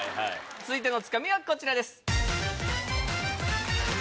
続いてのツカミはこちらです。